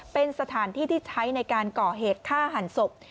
เป็นสถานที่ที่ใช้ในการก่อเหตุฆ่าหันศพ